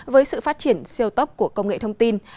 với sự phát triển siêu tốc của công nghệ thông tin